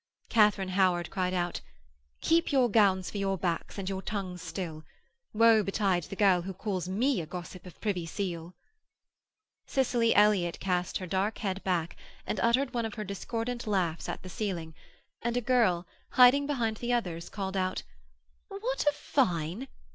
Katharine Howard cried out, 'Keep your gowns for your backs and your tongues still. Woe betide the girl who calls me a gossip of Privy Seal.' Cicely Elliott cast her dark head back and uttered one of her discordant laughs at the ceiling, and a girl, hiding behind the others, called out, 'What a fine